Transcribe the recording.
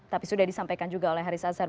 tapi sudah disampaikan juga oleh haris azhar